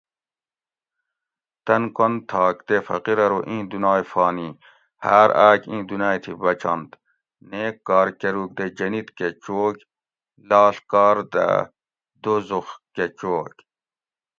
"تن کن تھاگ تے فقیر آرو ""ایں دُناۓ فانی ہاٞر آٞک ایں دُنائے تھی بچنت نیک کار کٞروگ دہ جنیت کہ چُوگ لاݪ کار دہ دوزُخ کہ چوگ"""